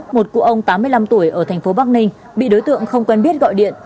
một cụ ông tám mươi năm tuổi ở thành phố bắc ninh bị đối tượng không quen biết gọi điện